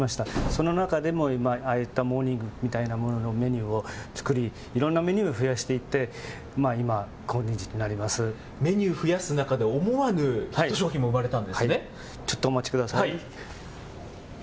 その中でも、ああいったモーニングみたいなメニューを作り、いろんなメニューを増やしていって、メニュー増やす中で、思わぬちょっとお待ちください。